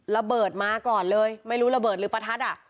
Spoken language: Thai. ระเบิดมาก่อนเลยไม่รู้ระเบิดหรือประทัดอ่ะ